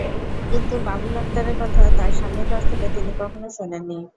কিন্তু বাবুল আক্তারের কথা তাঁর স্বামীর কাছ থেকে তিনি কখনো শোনেননি।